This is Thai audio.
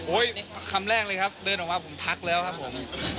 คำแรกเลยครับเดินออกมาผมทักแล้วครับผม